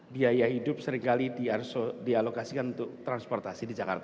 biaya hidup seringkali dialokasikan untuk transportasi di jakarta